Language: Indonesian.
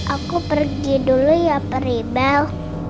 aku pergi dulu ya peribel